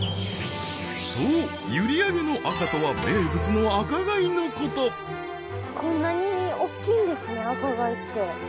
そう閖上のアカとは名物の赤貝のことこんなに大っきいんですね赤貝って。